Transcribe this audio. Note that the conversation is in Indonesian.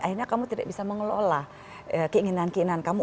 akhirnya kamu tidak bisa mengelola keinginan keinginan kamu